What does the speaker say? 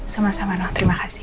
sama sama noh terima kasih